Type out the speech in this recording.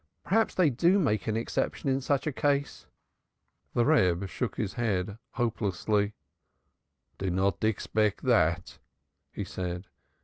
Perhaps they do make an exception in such a case." The Reb shook his head hopelessly. "Do not expect that," he said.